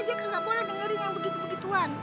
dia nggak boleh dengerin yang begitu begituan